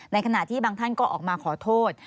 ขณะที่บางท่านก็ออกมาขอโทษ